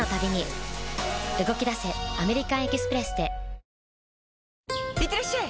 「ビオレ」いってらっしゃい！